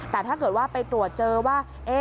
แต่ถ้าเกิดว่าไปตรวจเจอว่า